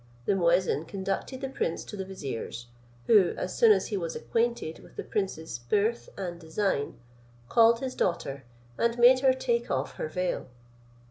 The muezin conducted the prince to the vizier's; who, as soon as he was acquainted with the prince's birth and design, called his daughter, and made her take off her veil.